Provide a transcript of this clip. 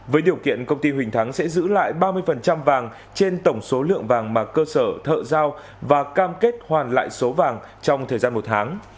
với điều kiện công ty huỳnh thắng sẽ giữ lại ba mươi vàng trên tổng số lượng vàng mà cơ sở thợ giao và cam kết hoàn lại số vàng trong thời gian một tháng